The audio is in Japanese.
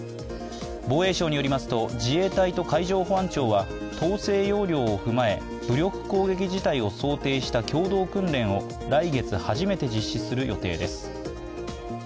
防衛省によりますと、自衛隊と海上保安庁は統制要領を踏まえ、武力攻撃事態を想定した共同訓練を来月初めて実施する予定です。